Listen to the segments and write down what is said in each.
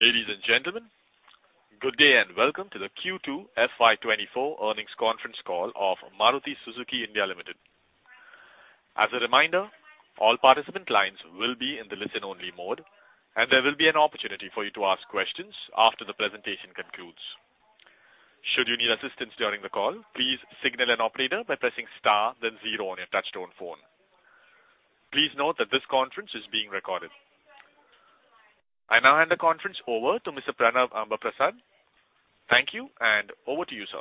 Ladies and gentlemen, good day, and welcome to the Q2 FY 2024 Earnings Conference Call of Maruti Suzuki India Limited. As a reminder, all participant lines will be in the listen-only mode, and there will be an opportunity for you to ask questions after the presentation concludes. Should you need assistance during the call, please signal an operator by pressing star then zero on your touchtone phone. Please note that this conference is being recorded. I now hand the conference over to Mr. Pranav Ambaprasad. Thank you, and over to you, sir.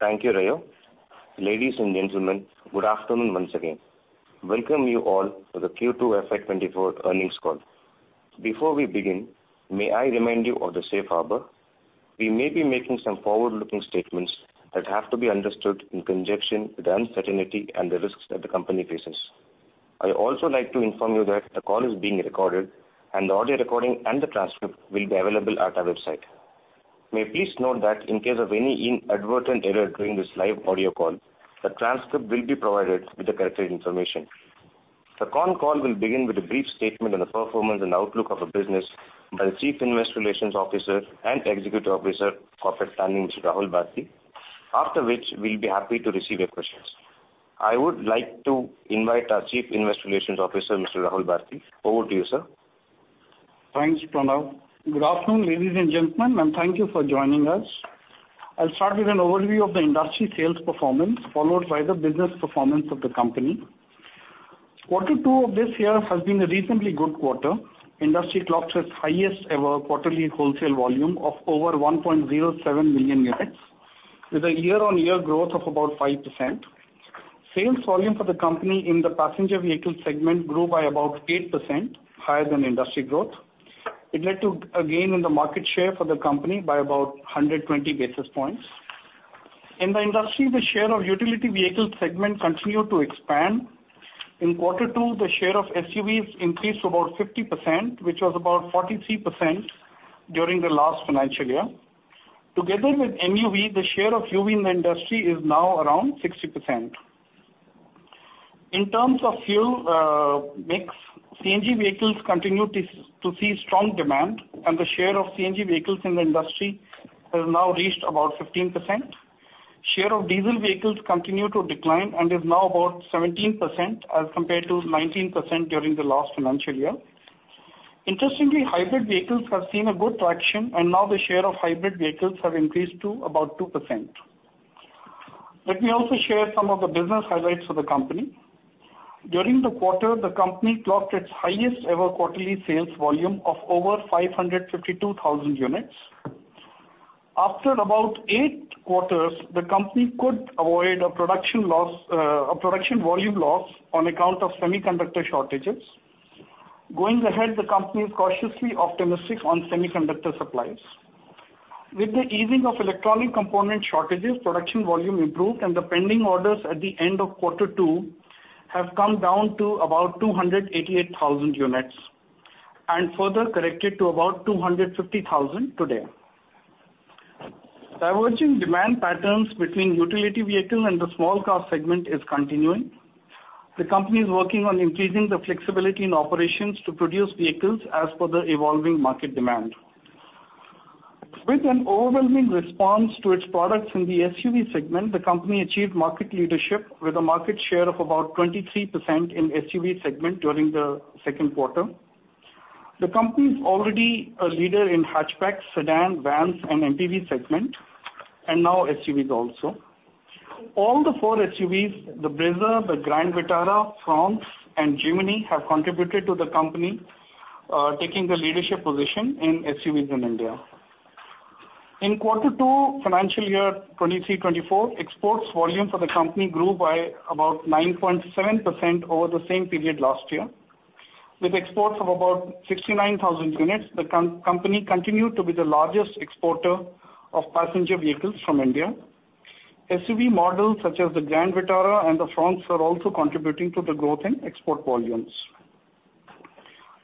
Thank you, Rayo. Ladies and gentlemen, good afternoon once again. Welcome you all to the Q2 FY 2024 earnings call. Before we begin, may I remind you of the safe harbor? We may be making some forward-looking statements that have to be understood in conjunction with the uncertainty and the risks that the company faces. I also like to inform you that the call is being recorded, and the audio recording and the transcript will be available at our website. May you please note that in case of any inadvertent error during this live audio call, the transcript will be provided with the corrected information. The conference call will begin with a brief statement on the performance and outlook of the business by the Chief Investor Relations Officer and Executive Officer, Corporate Planning, Mr. Rahul Bharti, after which we'll be happy to receive your questions. I would like to invite our Chief Investor Relations Officer, Mr. Rahul Bharti. Over to you, sir. Thanks, Pranav. Good afternoon, ladies and gentlemen, and thank you for joining us. I'll start with an overview of the industry sales performance, followed by the business performance of the company. Quarter two of this year has been a reasonably good quarter. Industry clocked its highest ever quarterly wholesale volume of over 1.07 million units, with a year-on-year growth of about 5%. Sales volume for the company in the passenger vehicle segment grew by about 8% higher than industry growth. It led to a gain in the market share for the company by about 120 basis points. In the industry, the share of utility vehicle segment continued to expand. In quarter two, the share of SUVs increased to about 50%, which was about 43% during the last financial year. Together with MUV, the share of UV in the industry is now around 60%. In terms of fuel mix, CNG vehicles continue to see strong demand, and the share of CNG vehicles in the industry has now reached about 15%. Share of diesel vehicles continue to decline and is now about 17% as compared to 19% during the last financial year. Interestingly, hybrid vehicles have seen a good traction, and now the share of hybrid vehicles have increased to about 2%. Let me also share some of the business highlights for the company. During the quarter, the company clocked its highest ever quarterly sales volume of over 552,000 units. After about eight quarters, the company could avoid a production loss, a production volume loss on account of semiconductor shortages. Going ahead, the company is cautiously optimistic on semiconductor supplies. With the easing of electronic component shortages, production volume improved, and the pending orders at the end of quarter two have come down to about 288,000 units, and further corrected to about 250,000 today. Diverging demand patterns between utility vehicles and the small car segment is continuing. The company is working on increasing the flexibility in operations to produce vehicles as per the evolving market demand. With an overwhelming response to its products in the SUV segment, the company achieved market leadership with a market share of about 23% in SUV segment during the second quarter. The company is already a leader in hatchback, sedan, vans, and MPV segment, and now SUVs also. All four SUVs, the Brezza, the Grand Vitara, Fronx, and Jimny, have contributed to the company taking the leadership position in SUVs in India. In quarter two, financial year 2023-2024, exports volume for the company grew by about 9.7% over the same period last year. With exports of about 69,000 units, the company continued to be the largest exporter of passenger vehicles from India. SUV models, such as the Grand Vitara and the Fronx, are also contributing to the growth in export volumes.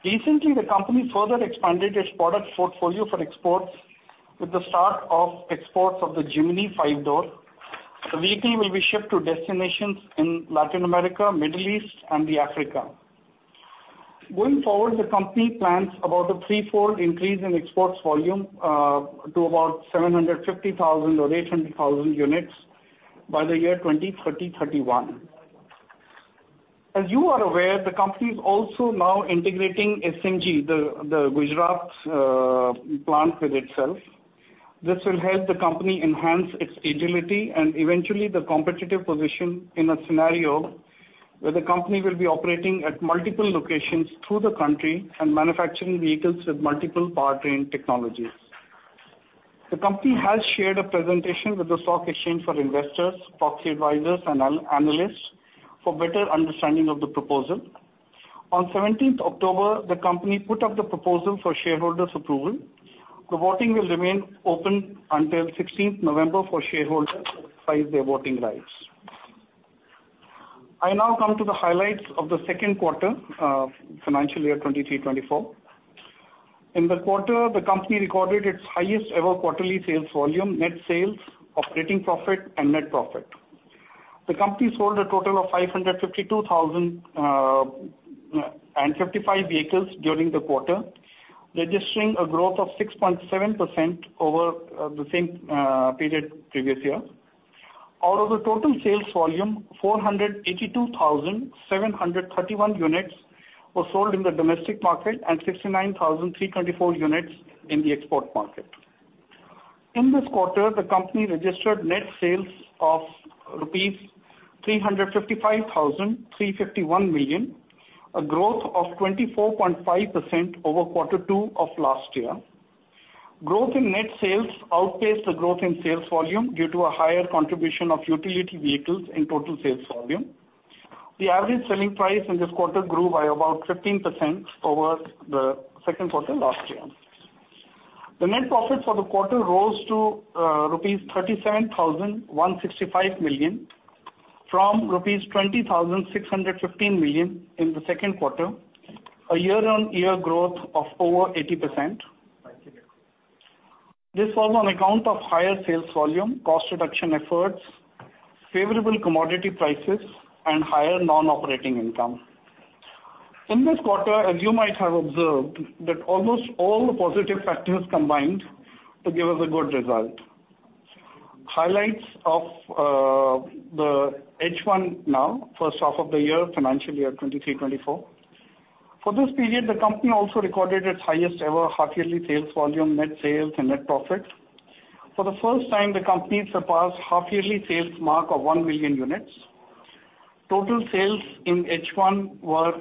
Recently, the company further expanded its product portfolio for exports with the start of exports of the Jimny five-door. The vehicle will be shipped to destinations in Latin America, Middle East, and Africa. Going forward, the company plans about a threefold increase in exports volume to about 750,000 or 800,000 units by the year 2030-2031. As you are aware, the company is also now integrating SMG, the Gujarat plant with itself. This will help the company enhance its agility and eventually the competitive position in a scenario where the company will be operating at multiple locations through the country and manufacturing vehicles with multiple powertrain technologies. The company has shared a presentation with the stock exchange for investors, proxy advisors, and analysts for better understanding of the proposal. On seventeenth October, the company put up the proposal for shareholders' approval. The voting will remain open until sixteenth November for shareholders to exercise their voting rights. I now come to the highlights of the second quarter of financial year 2023-2024. In the quarter, the company recorded its highest ever quarterly sales volume, net sales, operating profit, and net profit. The company sold a total of 552,055 vehicles during the quarter, registering a growth of 6.7% over the same period previous year. Out of the total sales volume, 482,731 units were sold in the domestic market, and 69,324 units in the export market. In this quarter, the company registered net sales of rupees 355,351 million, a growth of 24.5% over quarter two of last year. Growth in net sales outpaced the growth in sales volume due to a higher contribution of utility vehicles in total sales volume. The average selling price in this quarter grew by about 15% over the second quarter last year. The net profit for the quarter rose to rupees 37,165 million, from rupees 20,615 million in the second quarter, a year-on-year growth of over 80%. This was on account of higher sales volume, cost reduction efforts, favorable commodity prices, and higher non-operating income. In this quarter, as you might have observed, that almost all the positive factors combined to give us a good result. Highlights of the H1 now, first half of the year, financial year 2023-2024. For this period, the company also recorded its highest ever half yearly sales volume, net sales, and net profit. For the first time, the company surpassed half yearly sales mark of 1 million units. Total sales in H1 were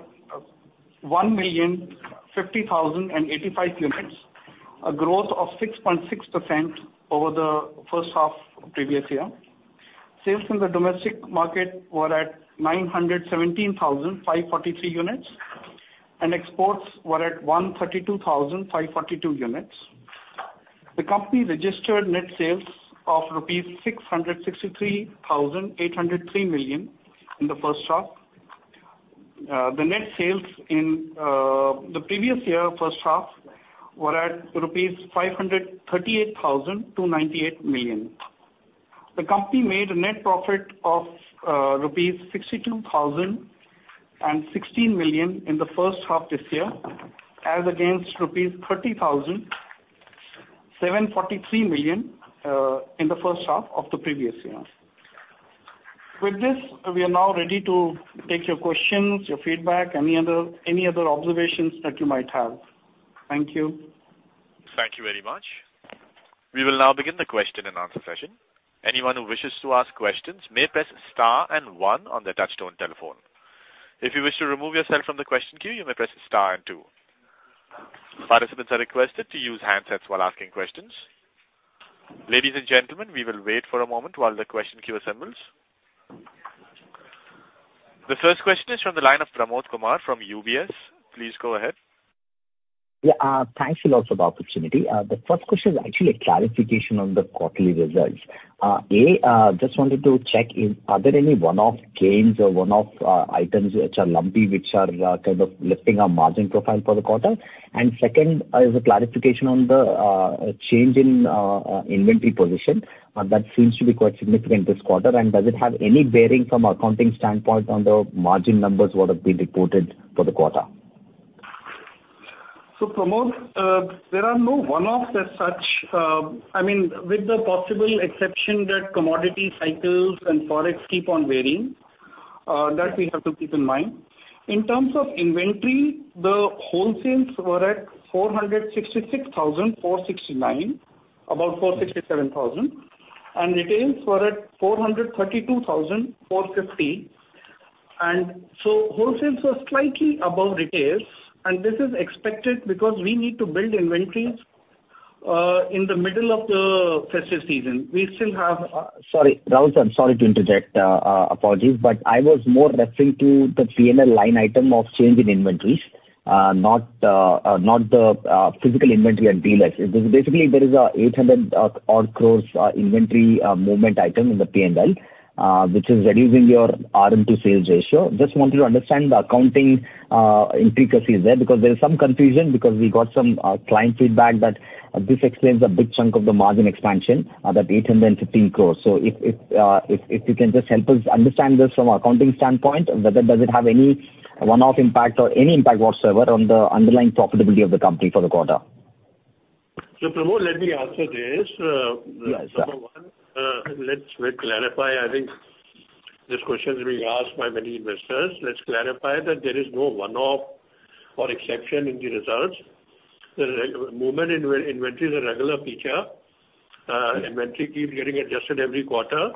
1,050,085 units, a growth of 6.6% over the first half of previous year. Sales in the domestic market were at 917,543 units, and exports were at 132,542 units. The company registered net sales of rupees 663,803 million in the first half. The net sales in the previous year, first half, were at rupees 538,298 million. The company made a net profit of rupees 62,016 million in the first half this year, as against rupees 30,743 million in the first half of the previous year. With this, we are now ready to take your questions, your feedback, any other, any other observations that you might have. Thank you. Thank you very much. We will now begin the question and answer session. Anyone who wishes to ask questions may press star and one on their touchtone telephone. If you wish to remove yourself from the question queue, you may press star and two. Participants are requested to use handsets while asking questions. Ladies and gentlemen, we will wait for a moment while the question queue assembles. The first question is from the line of Pramod Kumar from UBS. Please go ahead. Yeah, thanks a lot for the opportunity. The first question is actually a clarification on the quarterly results. Just wanted to check, are there any one-off gains or one-off items which are lumpy, which are kind of lifting our margin profile for the quarter? And second, is a clarification on the change in inventory position. That seems to be quite significant this quarter, and does it have any bearing from accounting standpoint on the margin numbers what have been reported for the quarter? So, Pramod, there are no one-offs as such, I mean, with the possible exception that commodity cycles and forex keep on varying, that we have to keep in mind. In terms of inventory, the wholesales were at 466,469, about 467,000, and retails were at 432,450. And so wholesales were slightly above retails, and this is expected because we need to build inventories, in the middle of the festive season. We still have-- Sorry, Rahul, sir, sorry to interject. Apologies, but I was more referring to the P&L line item of change in inventories, not the physical inventory at dealer. Basically, there is an 800 crore-odd inventory movement item in the P&L, which is reducing your R&D sales ratio. Just wanted to understand the accounting intricacies there, because there is some confusion, because we got some client feedback that this explains a big chunk of the margin expansion, that 850 crore. So if you can just help us understand this from an accounting standpoint, whether does it have any one-off impact or any impact whatsoever on the underlying profitability of the company for the quarter? Pramod, let me answer this. Yes, sir. Number one, let's clarify. I think this question is being asked by many investors. Let's clarify that there is no one-off or exception in the results. The movement in inventory is a regular feature. Inventory keeps getting adjusted every quarter,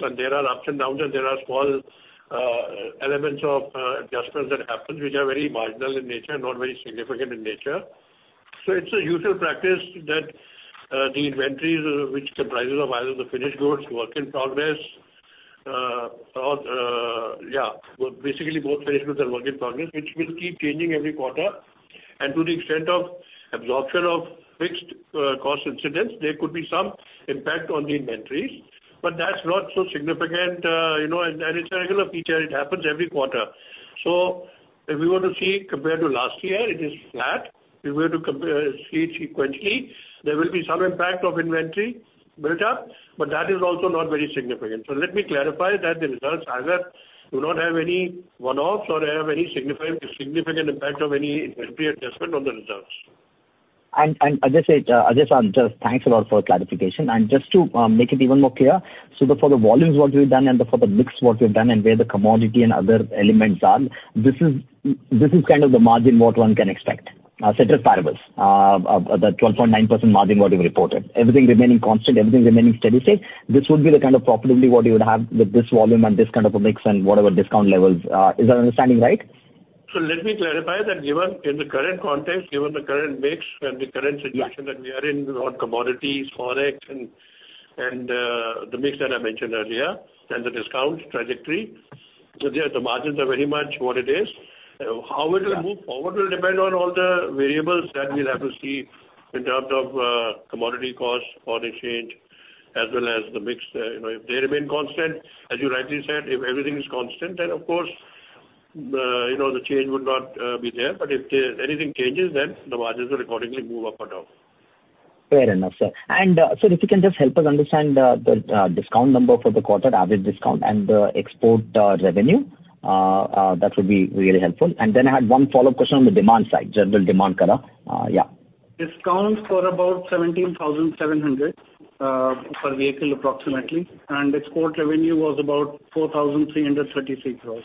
and there are ups and downs, and there are small elements of adjustments that happen, which are very marginal in nature, not very significant in nature. So it's a usual practice that the inventories, which comprises of either the finished goods, work in progress, or yeah, well, basically both finished goods and work in progress, which will keep changing every quarter. And to the extent of absorption of fixed cost incidents, there could be some impact on the inventories, but that's not so significant, you know, and it's a regular feature, it happens every quarter. So if we were to see compared to last year, it is flat. If we were to compare, see sequentially, there will be some impact of inventory built up, but that is also not very significant. So let me clarify that the results either do not have any one-offs or have any significant, significant impact of any inventory adjustment on the results. And Ajay said, Ajay, sir, just thanks a lot for clarification. And just to make it even more clear, so that for the volumes, what you've done, and for the mix, what you've done, and where the commodity and other elements are, this is, this is kind of the margin what one can expect, ceteris paribus, of the 12.9% margin what you reported. Everything remaining constant, everything remaining steady state, this would be the kind of profitability what you would have with this volume and this kind of a mix and whatever discount levels. Is that understanding right? So let me clarify that given in the current context, given the current mix and the current situation that we are in, on commodities, Forex, and the mix that I mentioned earlier, and the discount trajectory, so yes, the margins are very much what it is. How it will move forward will depend on all the variables that we'll have to see in terms of, commodity costs, foreign exchange, as well as the mix. You know, if they remain constant, as you rightly said, if everything is constant, then, of course, you know, the change would not be there. But if anything changes, then the margins will accordingly move up or down. Fair enough, sir. And, sir, if you can just help us understand, the discount number for the quarter, average discount and the export revenue, that would be really helpful. And then I had one follow-up question on the demand side, general demand scenario. Yeah. Discounts for about 17,700 per vehicle, approximately, and export revenue was about 4,336 crore.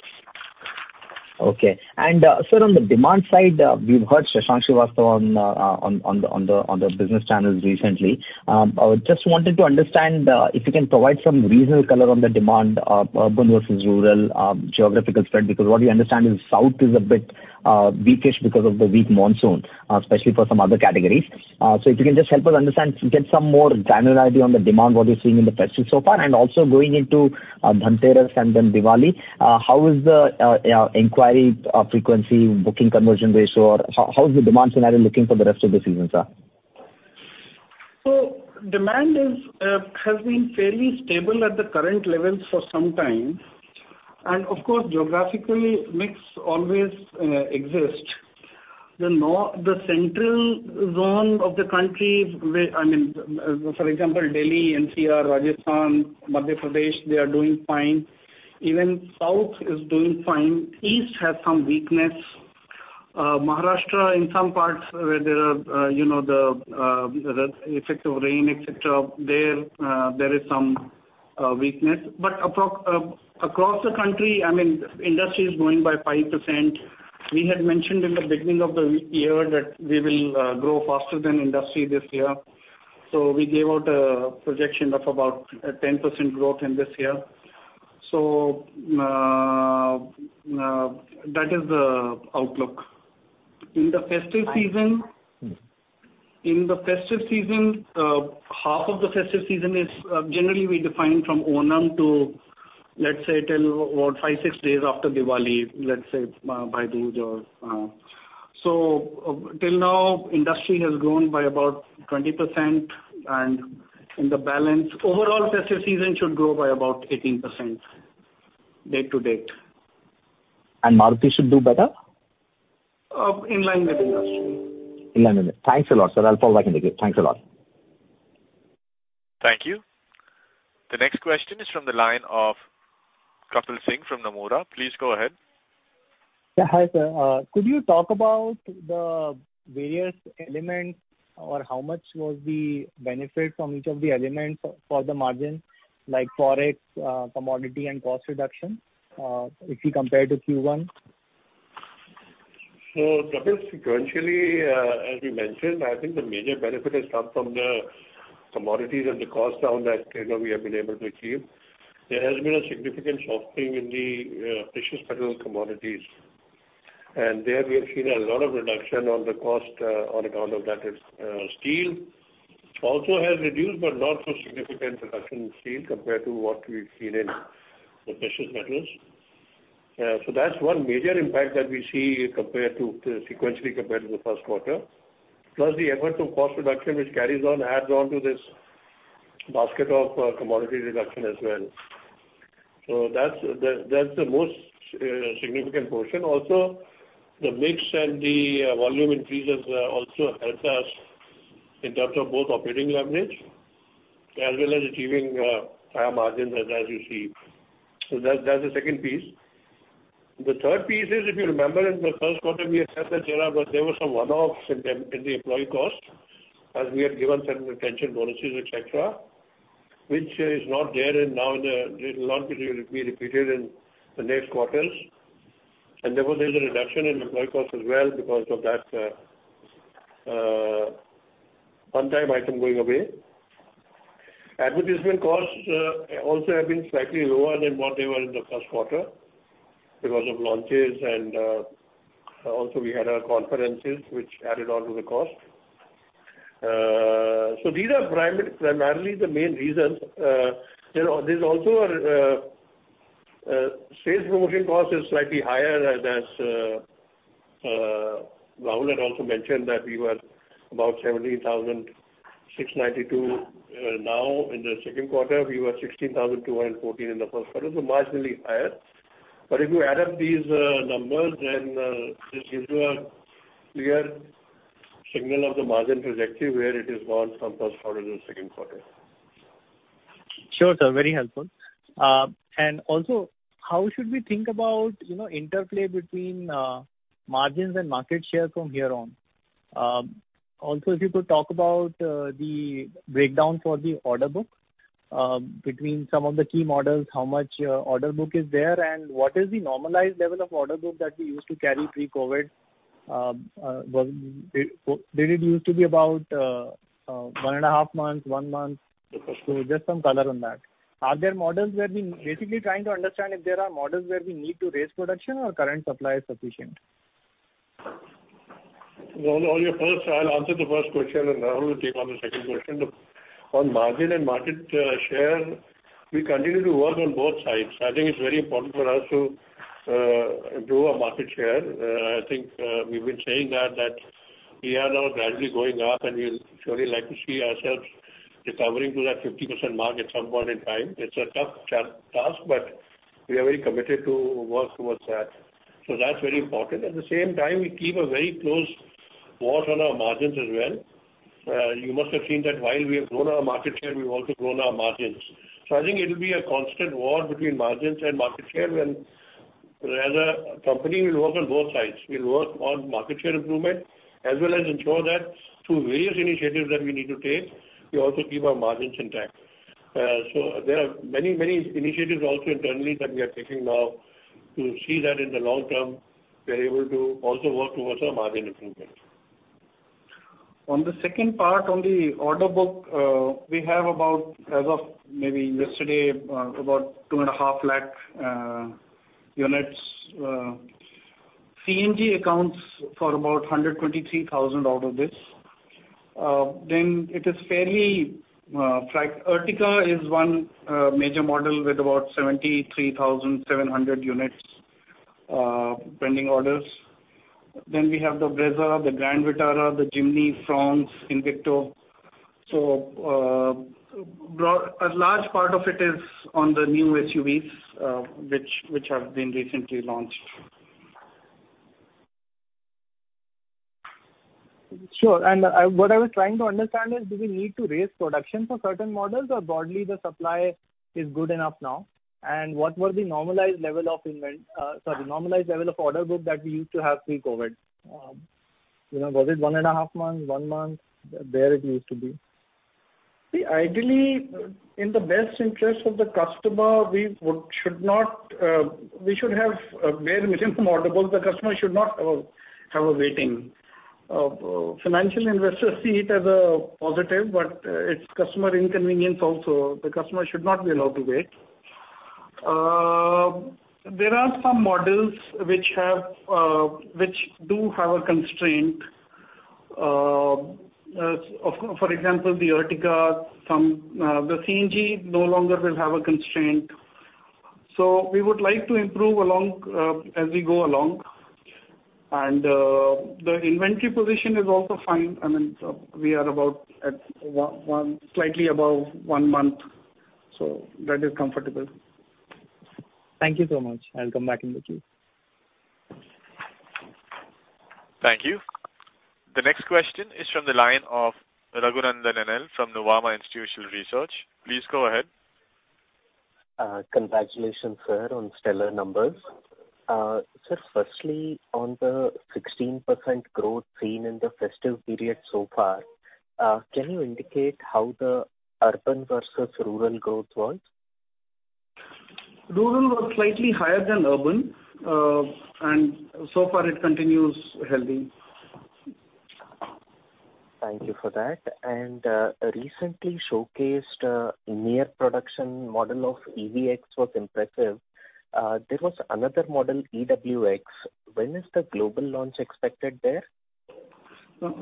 Okay. And, sir, on the demand side, we've heard Shashank Srivastava on the business channels recently. I just wanted to understand if you can provide some regional color on the demand of urban versus rural geographical spread, because what we understand is south is a bit weakish because of the weak monsoon, especially for some other categories. So if you can just help us understand, get some more granularity on the demand, what you're seeing in the festive so far, and also going into Dhanteras and then Diwali, how is the inquiry frequency, booking conversion ratio, or how is the demand scenario looking for the rest of the season, sir? So demand is has been fairly stable at the current levels for some time. Of course, geographically, mix always exist. The central zone of the country, where, I mean, for example, Delhi, NCR, Rajasthan, Madhya Pradesh, they are doing fine. Even South is doing fine. East has some weakness. Maharashtra, in some parts where there are, you know, the effect of rain, et cetera, there is some weakness. But approximately, across the country, I mean, industry is growing by 5%. We had mentioned in the beginning of the year that we will grow faster than industry this year. So we gave out a projection of about a 10% growth in this year. So that is the outlook. In the festive season, half of the festive season is generally we define from Onam to, let's say, till about five, six days after Diwali, let's say, Bhai Dooj or. So till now, industry has grown by about 20%, and in the balance, overall festive season should grow by about 18% year-to-date. Maruti should do better? In line with industry. In line with it. Thanks a lot, sir. I'll follow back in again. Thanks a lot. Thank you. The next question is from the line of Kapil Singh from Nomura. Please go ahead. Yeah, hi, sir. Could you talk about the various elements or how much was the benefit from each of the elements for the margin, like Forex, commodity, and cost reduction, if you compare to Q1? So, Kapil, sequentially, as we mentioned, I think the major benefit has come from the commodities and the cost down that, you know, we have been able to achieve. There has been a significant softening in the precious metals commodities, and there we have seen a lot of reduction on the cost, on account of that. Steel also has reduced, but not so significant reduction in steel compared to what we've seen in the precious metals. So that's one major impact that we see compared to, sequentially compared to the first quarter. Plus, the effort of cost reduction, which carries on, adds on to this basket of commodity reduction as well. So that's the most significant portion. Also, the mix and the volume increases also helped us in terms of both operating leverage as well as achieving higher margins as you see. So that's the second piece. The third piece is, if you remember in the first quarter, we had said that there were some one-offs in the employee costs, as we had given certain retention bonuses, et cetera, which is not there and now it will not be repeated in the next quarters. Therefore, there's a reduction in employee costs as well because of that one-time item going away. Advertisement costs also have been slightly lower than what they were in the first quarter because of launches and also we had our conferences, which added on to the cost. So these are primarily the main reasons. You know, there's also a sales promotion cost is slightly higher as Rahul had also mentioned that we were about 17,692. Now in the second quarter, we were 16,214 in the first quarter, so marginally higher. But if you add up these numbers, then this gives you a clear signal of the margin trajectory, where it is gone from first quarter to the second quarter. Sure, sir, very helpful. And also, how should we think about, you know, interplay between margins and market share from here on? Also, if you could talk about the breakdown for the order book between some of the key models, how much order book is there, and what is the normalized level of order book that we used to carry pre-COVID? Was it used to be about 1.5 months, 1 month? So just some color on that. Are there models where basically trying to understand if there are models where we need to raise production or current supply is sufficient? Well, on your first, I'll answer the first question, and Rahul will take on the second question. On margin and market share, we continue to work on both sides. I think it's very important for us to grow our market share. I think we've been saying that we are now gradually going up, and we'll surely like to see ourselves recovering to that 50% mark at some point in time. It's a tough task, but we are very committed to work towards that. So that's very important. At the same time, we keep a very close watch on our margins as well. You must have seen that while we have grown our market share, we've also grown our margins. So I think it will be a constant war between margins and market share, and as a company, we work on both sides. We work on market share improvement as well as ensure that through various initiatives that we need to take, we also keep our margins intact. So there are many, many initiatives also internally that we are taking now to see that in the long term, we are able to also work towards our margin improvement. On the second part, on the order book, we have about, as of maybe yesterday, about 250,000 units. CNG accounts for about 123,000 out of this. Then it is fairly, like, Ertiga is one major model with about 73,700 units pending orders. Then we have the Brezza, the Grand Vitara, the Jimny, Fronx, Invicto. So, a large part of it is on the new SUVs, which have been recently launched. Sure. What I was trying to understand is, do we need to raise production for certain models, or broadly, the supply is good enough now? What was the normalized level of invent, sorry, the normalized level of order book that we used to have pre-COVID? You know, was it one and a half months, one month, there it used to be? See, ideally, in the best interest of the customer, we should not, we should have, well, within some order books, the customer should not have a waiting. Financial investors see it as a positive, but, it's customer inconvenience also. The customer should not be allowed to wait. There are some models which do have a constraint. For example, the Ertiga, the CNG no longer will have a constraint. So we would like to improve along, as we go along, and, the inventory position is also fine. I mean, we are about at 1.1, slightly above 1 month, so that is comfortable. Thank you so much. I'll come back in the queue. Thank you. The next question is from the line of Raghunandhan NL from Nuvama Institutional Research. Please go ahead. Congratulations, sir, on stellar numbers. Sir, firstly, on the 16% growth seen in the festive period so far, can you indicate how the urban versus rural growth was? Rural was slightly higher than urban, and so far it continues healthy. Thank you for that. And, recently showcased, near production model of eVX was impressive. There was another model, eWX. When is the global launch expected there?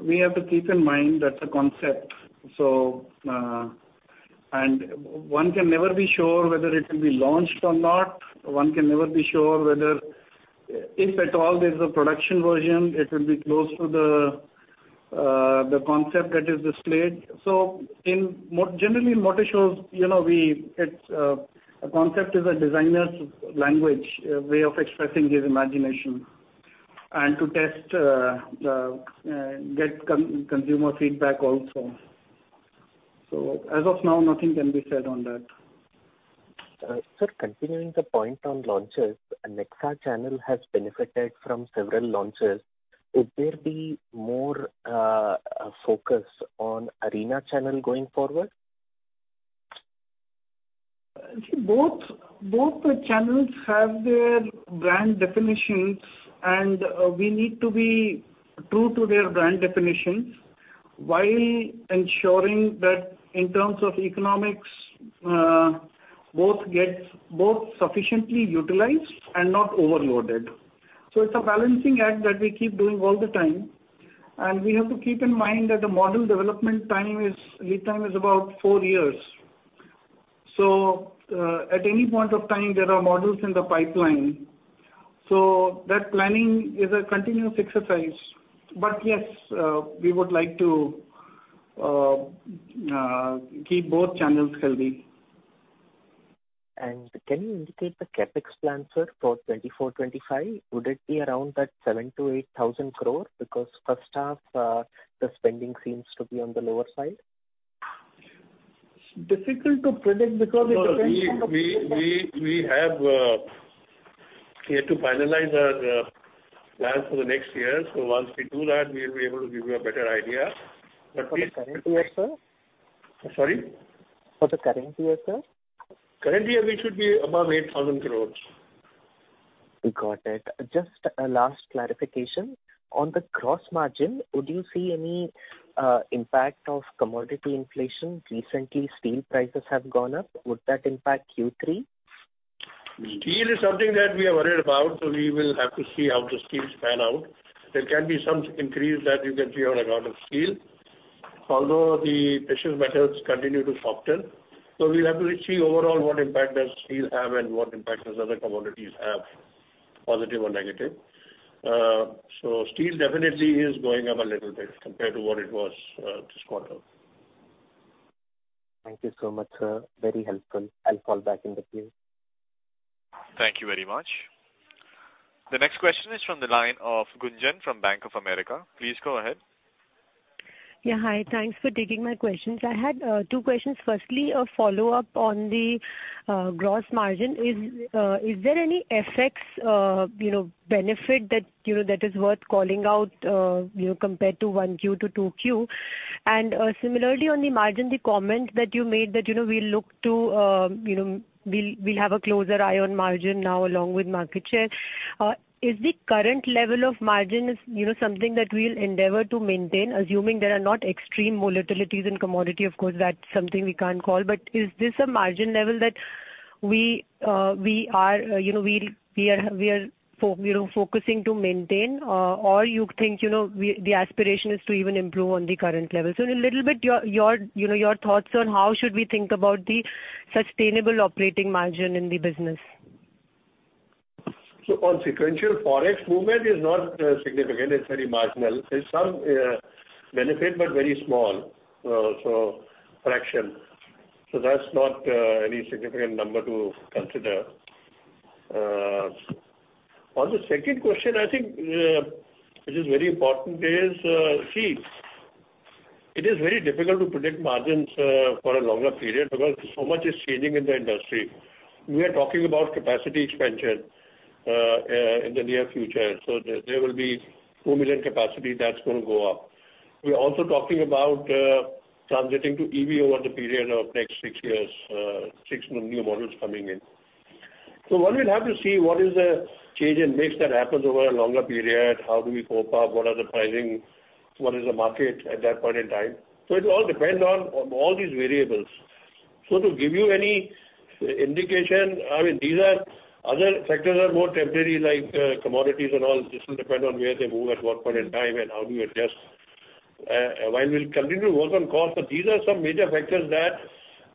We have to keep in mind that's a concept. So, and one can never be sure whether it will be launched or not. One can never be sure whether, if at all, there's a production version, it will be close to the concept that is displayed. Generally, in motor shows, you know, it's a concept, a designer's language, a way of expressing his imagination, and to get consumer feedback also. As of now, nothing can be said on that. Sir, continuing the point on launches, Nexa channel has benefited from several launches. Will there be more focus on Arena channel going forward? See, both the channels have their brand definitions, and we need to be true to their brand definitions, while ensuring that in terms of economics, both gets both sufficiently utilized and not overloaded. So it's a balancing act that we keep doing all the time, and we have to keep in mind that the model development lead time is about four years. So, at any point of time, there are models in the pipeline, so that planning is a continuous exercise. But yes, we would like to keep both channels healthy. Can you indicate the CapEx plan, sir, for 2024, 2025? Would it be around 7,000 crore-8,000 crore? Because first half, the spending seems to be on the lower side. Difficult to predict because it depends on the-- No, we have yet to finalize our plans for the next year. So once we do that, we'll be able to give you a better idea. But we-- For the current year, sir? Sorry? For the current year, sir. Current year, we should be above 8,000 crore. Got it. Just a last clarification. On the gross margin, would you see any impact of commodity inflation? Recently, steel prices have gone up. Would that impact Q3? Steel is something that we are worried about, so we will have to see how the steel pans out. There can be some increase that you can see on account of steel, although the precious metals continue to soften. So we'll have to see overall what impact does steel have and what impact does other commodities have, positive or negative. So steel definitely is going up a little bit compared to what it was this quarter. Thank you so much, sir. Very helpful. I'll fall back in the queue. Thank you very much. The next question is from the line of Gunjan from Bank of America. Please go ahead. Yeah, hi. Thanks for taking my questions. I had two questions. Firstly, a follow-up on the gross margin. Is there any effects, you know, benefit that, you know, that is worth calling out, you know, compared to 1Q to 2Q? And similarly, on the margin, the comment that you made that, you know, we look to, you know, we'll have a closer eye on margin now along with market share. Is the current level of margin is, you know, something that we'll endeavor to maintain, assuming there are not extreme volatilities in commodity, of course, that's something we can't call. But is this a margin level that we are, you know, focusing to maintain, or you think, you know, the aspiration is to even improve on the current level? So a little bit your, you know, your thoughts on how should we think about the sustainable operating margin in the business. So on sequential, Forex movement is not significant, it's very marginal. There's some benefit, but very small, so fraction. So that's not any significant number to consider. On the second question, I think, which is very important, is, see, it is very difficult to predict margins for a longer period because so much is changing in the industry. We are talking about capacity expansion in the near future, so there, there will be 4 million capacity that's going to go up. We are also talking about transitioning to EV over the period of next six years, six new models coming in. So one will have to see what is the change in mix that happens over a longer period, how do we cope up, what are the pricing, what is the market at that point in time. So it all depends on, on all these variables. So to give you any indication, I mean, these are... Other factors are more temporary, like, commodities and all. This will depend on where they move at what point in time and how do you adjust. While we'll continue to work on cost, but these are some major factors that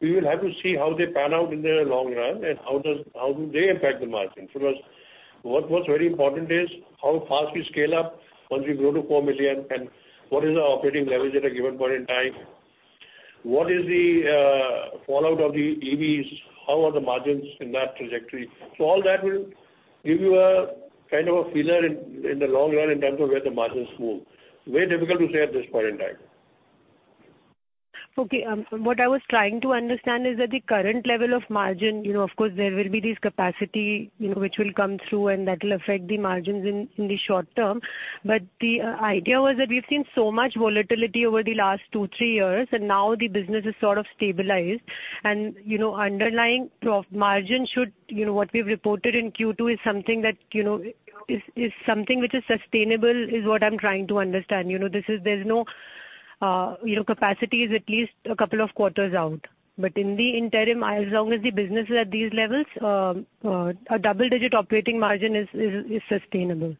we will have to see how they pan out in the long run and how does- how do they impact the margin. So because what, what's very important is how fast we scale up once we grow to 4 million, and what is our operating leverage at a given point in time? What is the, fallout of the EVs? How are the margins in that trajectory? So all that will give you a kind of a feeler in the long run in terms of where the margins move. Very difficult to say at this point in time. Okay, what I was trying to understand is that the current level of margin, you know, of course, there will be this capacity, you know, which will come through and that will affect the margins in the short term. But the idea was that we've seen so much volatility over the last two, three years, and now the business is sort of stabilized. And, you know, underlying margin should, you know, what we've reported in Q2 is something that, you know, is something which is sustainable, is what I'm trying to understand. You know, there's no, you know, capacity is at least a couple of quarters out. But in the interim, as long as the business is at these levels, a double-digit operating margin is sustainable.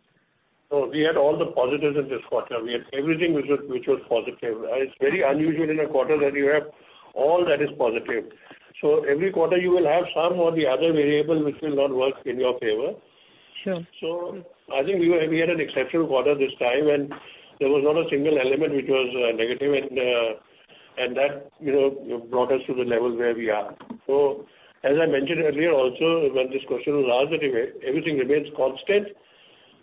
We had all the positives in this quarter. We had everything which was, which was positive. It's very unusual in a quarter that you have all that is positive. Every quarter you will have some or the other variable which will not work in your favor. Sure. So I think we had an exceptional quarter this time, and there was not a single element which was negative, and that, you know, brought us to the level where we are. So as I mentioned earlier also, when this question was asked, that if everything remains constant,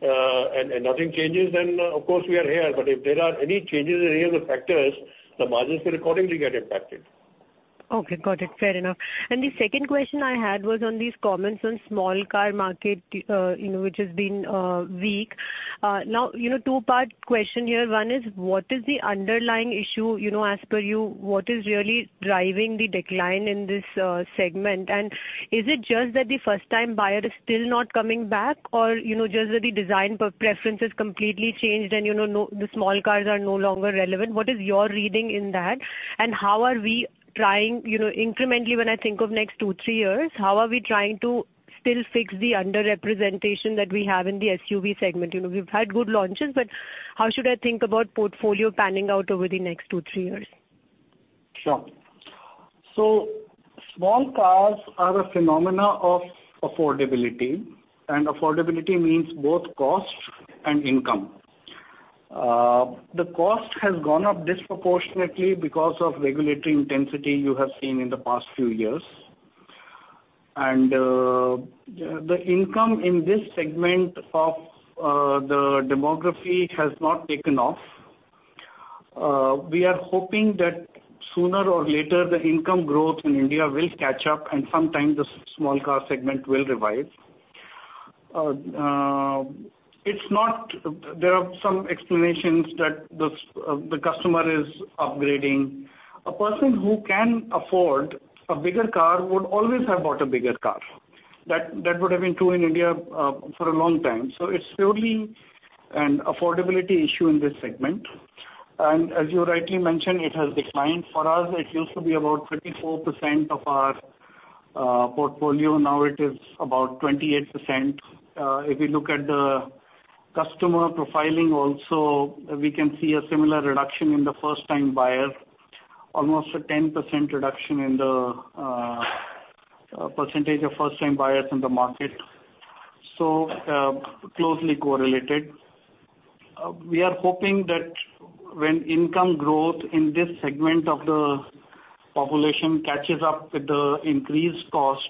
and nothing changes, then of course we are here. But if there are any changes in any of the factors, the margins will accordingly get impacted. Okay, got it. Fair enough. The second question I had was on these comments on small car market, you know, which has been weak. Now, you know, two-part question here. One is, what is the underlying issue, you know, as per you, what is really driving the decline in this segment? And is it just that the first-time buyer is still not coming back, or, you know, just that the design preference is completely changed and, you know, now the small cars are no longer relevant? What is your reading in that, and how are we trying, you know, incrementally, when I think of next two, three years, how are we trying to still fix the underrepresentation that we have in the SUV segment? You know, we've had good launches, but. How should I think about portfolio panning out over the next two, three years? Sure. So small cars are a phenomenon of affordability, and affordability means both cost and income. The cost has gone up disproportionately because of regulatory intensity you have seen in the past few years. And the income in this segment of the demography has not taken off. We are hoping that sooner or later, the income growth in India will catch up, and sometime, the small car segment will revive. It's not—there are some explanations that the customer is upgrading. A person who can afford a bigger car would always have bought a bigger car. That would have been true in India for a long time. So it's purely an affordability issue in this segment. And as you rightly mentioned, it has declined. For us, it used to be about 24% of our portfolio, now it is about 28%. If you look at the customer profiling also, we can see a similar reduction in the first-time buyers. Almost a 10% reduction in the percentage of first-time buyers in the market. So, closely correlated. We are hoping that when income growth in this segment of the population catches up with the increased cost,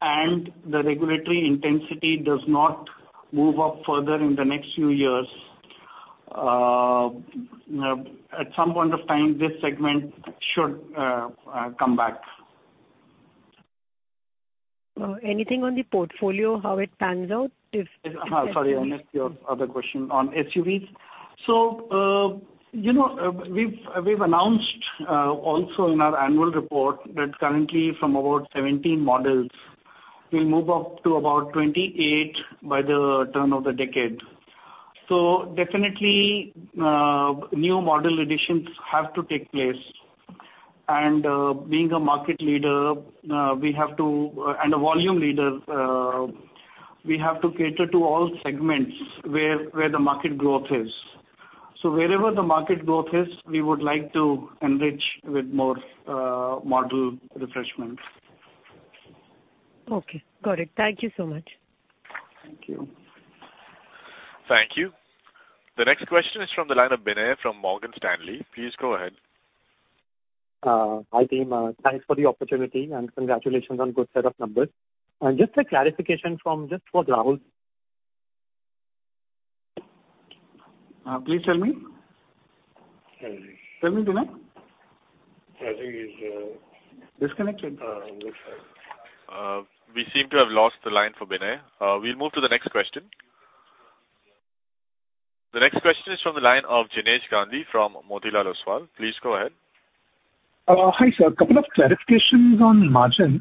and the regulatory intensity does not move up further in the next few years, at some point of time, this segment should come back. Anything on the portfolio, how it pans out, if-- Sorry, I missed your other question. On SUVs? So, you know, we've announced also in our annual report that currently from about 17 models, we'll move up to about 28 by the turn of the decade. So definitely, new model additions have to take place. And, being a market leader, we have to-- and a volume leader, we have to cater to all segments where the market growth is. So wherever the market growth is, we would like to enrich with more model refreshments. Okay, got it. Thank you so much. Thank you. Thank you. The next question is from the line of Binay from Morgan Stanley. Please go ahead. Hi, team. Thanks for the opportunity, and congratulations on good set of numbers. Just a clarification from, just for Rahul. Please tell me. Tell me, Binay. I think he's-- Disconnected? Yes, sir. We seem to have lost the line for Binay. We'll move to the next question. The next question is from the line of Jinesh Gandhi from Motilal Oswal. Please go ahead. Hi, sir. A couple of clarifications on margins.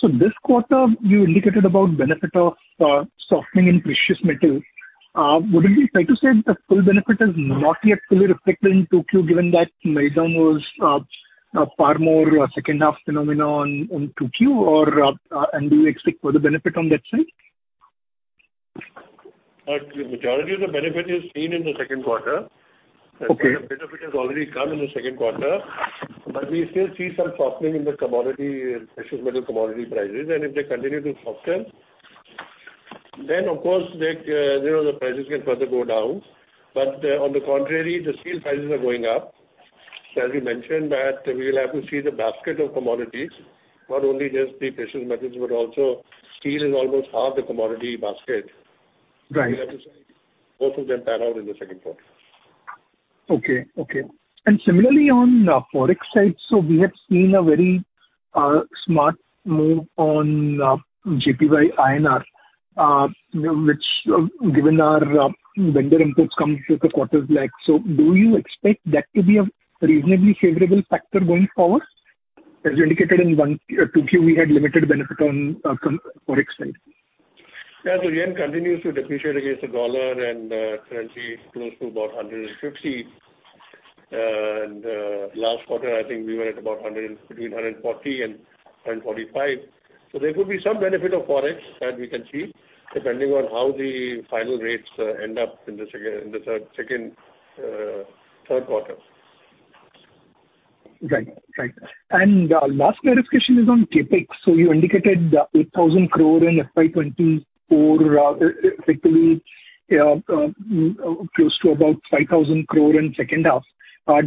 So this quarter, you indicated about benefit of softening in precious metal. Would we be fair to say the full benefit is not yet fully reflected in 2Q, given that write-down was a far more second half phenomenon on 2Q, or and do you expect further benefit on that side? The majority of the benefit is seen in the second quarter. Benefit has already come in the second quarter, but we still see some softening in the commodity, precious metal commodity prices. If they continue to soften, then, of course, you know, the prices can further go down. But on the contrary, the steel prices are going up. So as we mentioned that we will have to see the basket of commodities, not only just the precious metals, but also steel is almost half the commodity basket. Right. Both of them pan out in the second quarter. Okay, okay. And similarly, on the Forex side, so we have seen a very, smart move on, JPY INR, which, given our, vendor inputs comes with the quarters like. So do you expect that to be a reasonably favorable factor going forward? As you indicated in one, 2Q, we had limited benefit on, from Forex side. Yeah, so yen continues to depreciate against the dollar and, currently, close to about $150. Last quarter, I think we were at about $140-$145. There could be some benefit of Forex that we can see, depending on how the final rates end up in the second-- in the third quarter. Right. Right. And last clarification is on CapEx. So you indicated 8,000 crore in FY 2024, effectively close to about 5,000 crore in second half. Does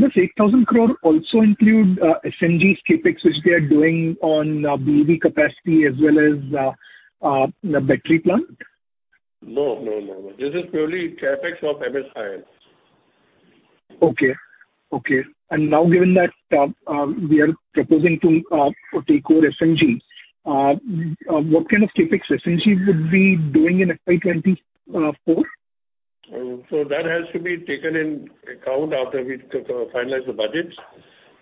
this 8,000 crore also include SMG's CapEx, which they are doing on BEV capacity as well as the battery plant? No, no. This is purely CapEx of MSIL. Okay, okay. And now, given that, we are proposing to take over SMG, what kind of CapEx SMG would be doing in FY 2024? So that has to be taken in account after we've finalized the budgets.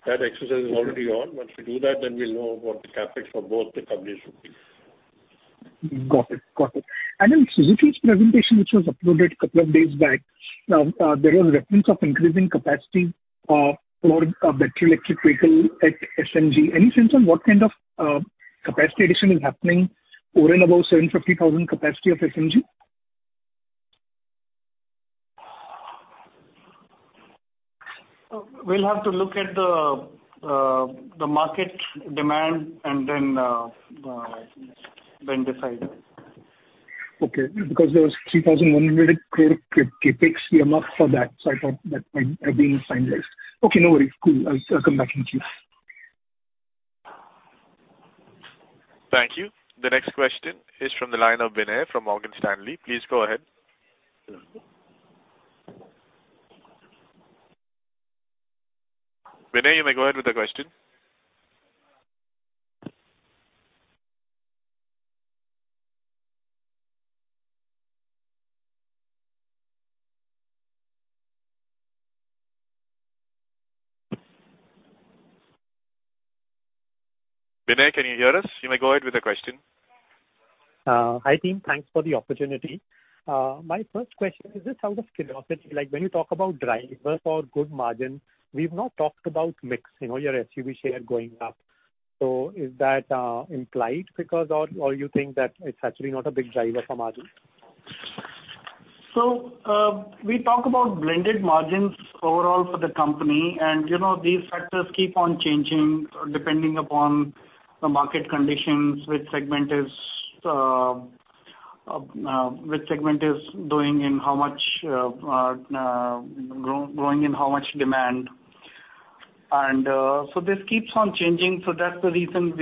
That exercise is already on. Once we do that, then we'll know what the CapEx for both the companies should be. Got it. And in Suzuki's presentation, which was uploaded a couple of days back, there was reference of increasing capacity for a battery electric vehicle at SMG. Any sense on what kind of capacity addition is happening? Or in above 750,000 capacity of SMG? We'll have to look at the market demand, and then decide. Okay, because there was 3,100 crore CapEx earmarked for that, so I thought that might have been finalized. Okay, no worries. Cool. I'll, I'll come back to you. Thank you. The next question is from the line of Binay from Morgan Stanley. Please go ahead. Binay, you may go ahead with the question. Binay, can you hear us? You may go ahead with the question. Hi, team. Thanks for the opportunity. My first question is just out of curiosity, like, when you talk about drivers for good margin, we've not talked about mix, you know, your SUV share going up. So is that implied because or you think that it's actually not a big driver for margin? So, we talk about blended margins overall for the company, and, you know, these factors keep on changing, depending upon the market conditions, which segment is doing and how much growing and how much demand. So this keeps on changing, so that's the reason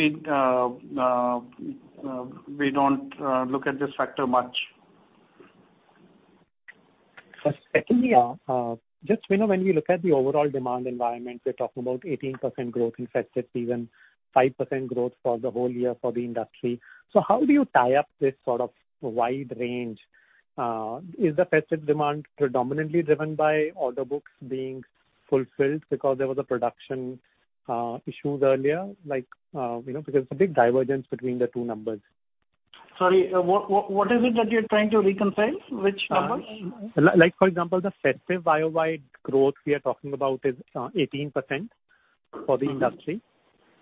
we don't look at this factor much. Secondly, just, you know, when we look at the overall demand environment, we're talking about 18% growth in festive, even 5% growth for the whole year for the industry. So how do you tie up this sort of wide range? Is the festive demand predominantly driven by order books being fulfilled because there was a production issues earlier? Like, you know, because it's a big divergence between the two numbers. Sorry, what is it that you're trying to reconcile? Which numbers? Like, for example, the festive Y-o-Y growth we are talking about is 18% for the industry.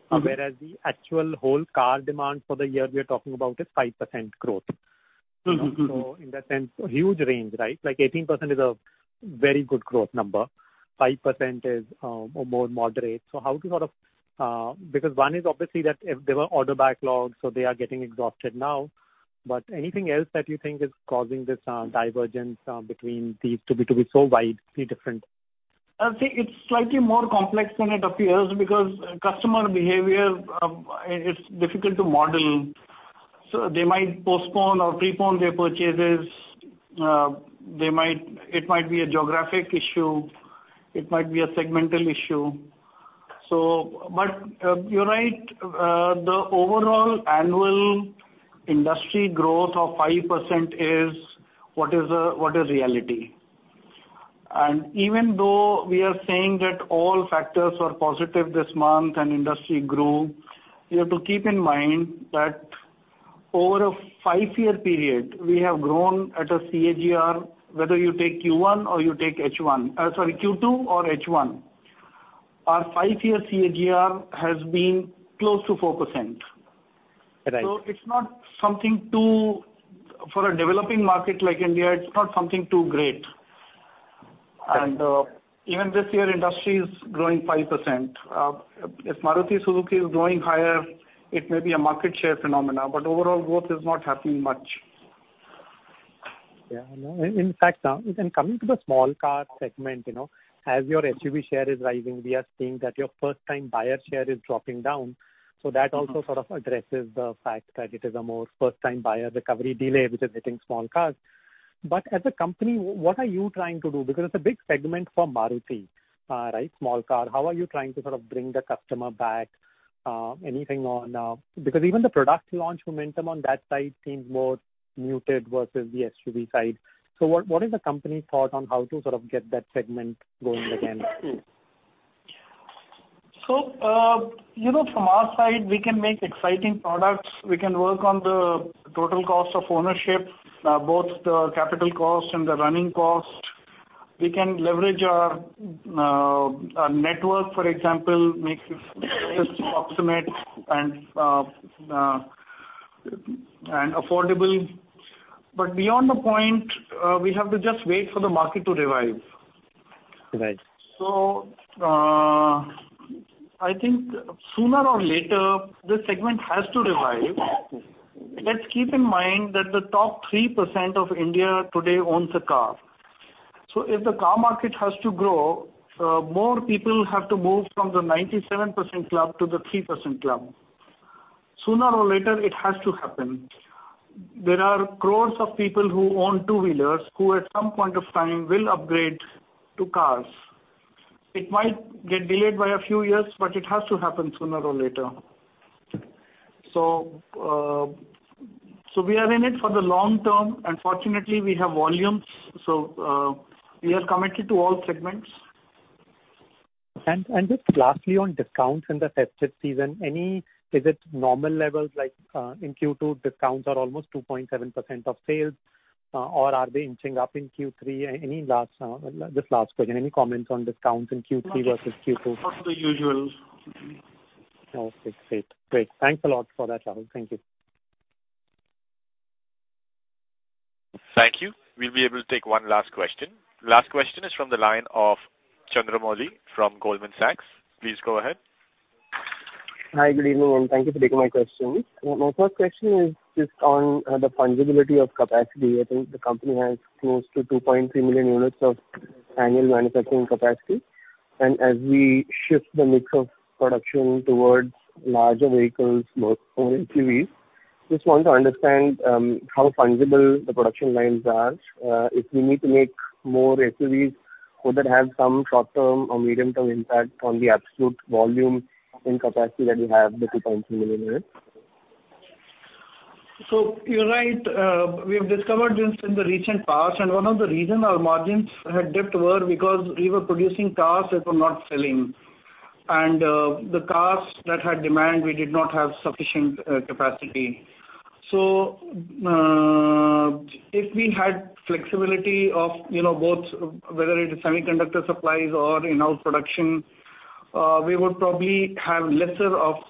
Whereas the actual whole car demand for the year we are talking about is 5% growth. So in that sense, a huge range, right? Like, 18% is a very good growth number, 5% is more moderate. So how do you sort of-- Because one is obviously that if there were order backlogs, so they are getting exhausted now. But anything else that you think is causing this divergence between these two to be, to be so widely different? See, it's slightly more complex than it appears because customer behavior it's difficult to model. So they might postpone or prepone their purchases. It might be a geographic issue, it might be a segmental issue. So, but, you're right, the overall annual industry growth of 5% is what is, what is reality. And even though we are saying that all factors were positive this month and industry grew, you have to keep in mind that over a five-year period, we have grown at a CAGR, whether you take Q1 or you take H1, Q2 or H1, our five-year CAGR has been close to 4%. Right. It's not something too-- For a developing market like India, it's not something too great. Even this year, industry is growing 5%. If Maruti Suzuki is growing higher, it may be a market share phenomena, but overall growth is not happening much. Yeah, I know. In fact, coming to the small car segment, you know, as your SUV share is rising, we are seeing that your first-time buyer share is dropping down. So that also sort of addresses the fact that it is a more first-time buyer recovery delay, which is hitting small cars. But as a company, what are you trying to do? Because it's a big segment for Maruti, right? Small car. How are you trying to sort of bring the customer back, anything on, because even the product launch momentum on that side seems more muted versus the SUV side. So what is the company's thought on how to sort of get that segment going again? So, you know, from our side, we can make exciting products. We can work on the total cost of ownership, both the capital cost and the running cost. We can leverage our network, for example, make it proximate and affordable. But beyond the point, we have to just wait for the market to revive. Right. So, I think sooner or later, this segment has to revive. Let's keep in mind that the top 3% of India today owns a car. So if the car market has to grow, more people have to move from the 97% club to the 3% club. Sooner or later, it has to happen. There are crores of people who own two-wheelers, who, at some point of time, will upgrade to cars. It might get delayed by a few years, but it has to happen sooner or later. So, so we are in it for the long term, and fortunately, we have volumes. So, we are committed to all segments. And just lastly, on discounts in the festive season, any, is it normal levels, like, in Q2, discounts are almost 2.7% of sales? Or are they inching up in Q3? Any last, just last question, any comments on discounts in Q3 versus Q2? Not the usual. Okay, great. Great, thanks a lot for that, Rahul. Thank you. Thank you. We'll be able to take one last question. Last question is from the line of Chandramouli from Goldman Sachs. Please go ahead. Hi, good evening, and thank you for taking my question. My first question is just on the fungibility of capacity. I think the company has close to 2.3 million units of annual manufacturing capacity. As we shift the mix of production towards larger vehicles, more, or SUVs, just want to understand how fungible the production lines are. If we need to make more SUVs, would that have some short-term or medium-term impact on the absolute volume in capacity that you have, the 2.3 million units? So you're right, we have discovered this in the recent past, and one of the reason our margins had dipped were because we were producing cars that were not selling. And the cars that had demand, we did not have sufficient capacity. So if we had flexibility of, you know, both, whether it is semiconductor supplies or in-house production, we would probably have had lesser of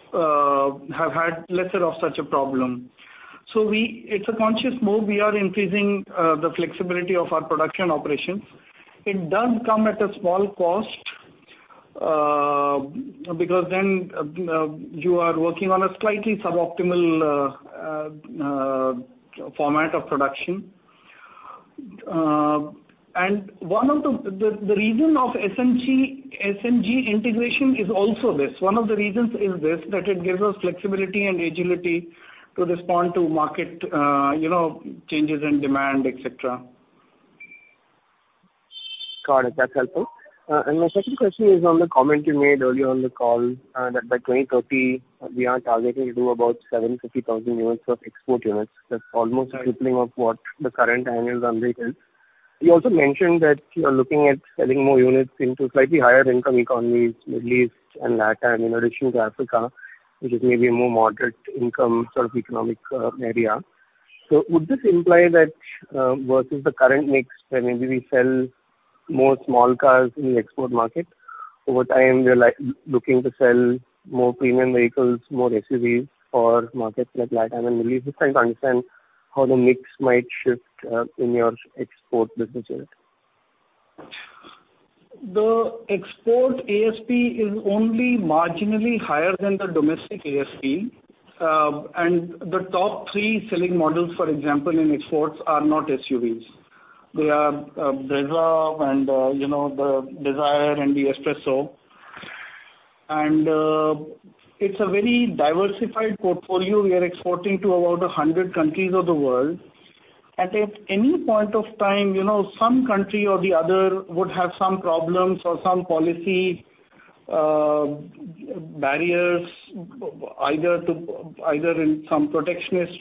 such a problem. It's a conscious move. We are increasing the flexibility of our production operations. It does come at a small cost, because then you are working on a slightly suboptimal format of production. And one of the reason of CNG integration is also this. One of the reasons is this, that it gives us flexibility and agility to respond to market, you know, changes in demand, et cetera. Got it. That's helpful. My second question is on the comment you made earlier on the call, that by 2030, we are targeting to do about 75,000 units of export units. That's almost a tripling of what the current annual run rate is. You also mentioned that you are looking at selling more units into slightly higher income economies, Middle East and Latam, in addition to Africa, which is maybe a more moderate income sort of economic area. So would this imply that, versus the current mix, where maybe we sell more small cars in the export market, over time, we are looking to sell more premium vehicles, more SUVs for markets like Latam and Middle East? Just trying to understand how the mix might shift in your export business unit. The export ASP is only marginally higher than the domestic ASP. The top three selling models, for example, in exports, are not SUVs. They are Brezza, you know, the Dzire, and the S-Presso. It's a very diversified portfolio. We are exporting to about 100 countries of the world. At any point of time, you know, some country or the other would have some problems or some policy barriers, either in some protectionist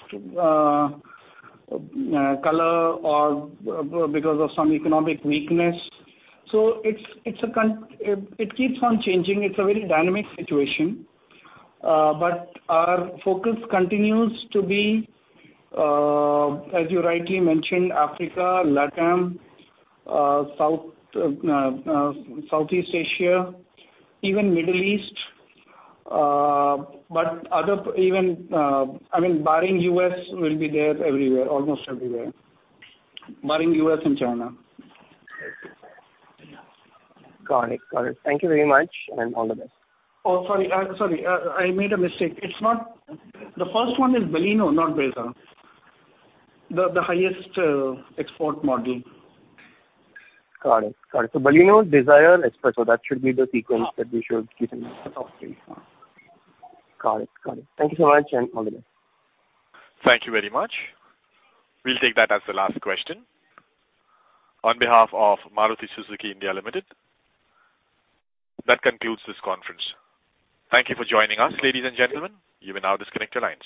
color or because of some economic weakness. It keeps on changing. It's a very dynamic situation. Our focus continues to be, as you rightly mentioned, Africa, LatAm, South, Southeast Asia, even Middle East. Other than that, I mean, barring U.S., we'll be there everywhere, almost everywhere. Barring U.S. and China. Got it. Thank you very much, and all the best. Oh, sorry. Sorry, I made a mistake. It's not-- The first one is Baleno, not Brezza. The highest export model. Got it. So Baleno, Dzire, S-Presso. That should be the sequence that we should keep in mind. Got it. Thank you so much, and all the best. Thank you very much. We'll take that as the last question. On behalf of Maruti Suzuki India Limited, that concludes this conference. Thank you for joining us, ladies and gentlemen. You may now disconnect your lines.